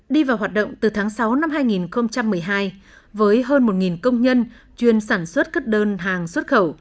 đi vào hoạt động từ tháng sáu năm hai nghìn một mươi hai với hơn một công nhân chuyên sản xuất cất đơn hàng xuất khẩu